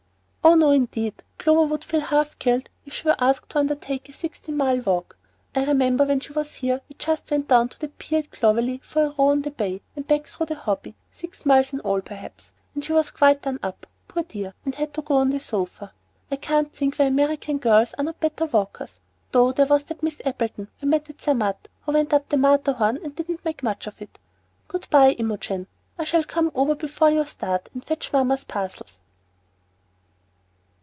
"Oh, no, indeed; Clover would feel half killed if she were asked to undertake a sixteen mile walk. I remember, when she was here, we just went down to the pier at Clovelly for a row on the Bay and back through the Hobby, six miles in all, perhaps, and she was quite done up, poor dear, and had to go on to the sofa. I can't think why American girls are not better walkers, though there was that Miss Appleton we met at Zermatt, who went up the Matterhorn and didn't make much of it. Good by, Imogen; I shall come over before you start and fetch mamma's parcels."